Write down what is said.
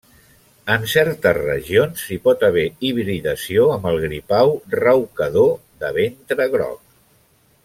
En certes regions, hi pot haver hibridació amb el gripau raucador de ventre groc.